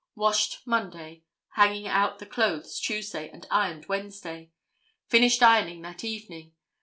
Washed Monday, hanging out the clothes Tuesday and ironed Wednesday. Finished ironing that evening.